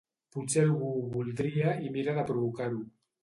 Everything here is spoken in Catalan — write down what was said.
Potser algú ho voldria i mira de provocar-ho.